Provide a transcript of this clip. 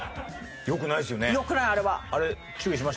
良くないですよね。